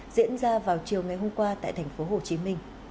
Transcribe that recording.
diễn ra vào chiều ngày hôm qua tại tp hcm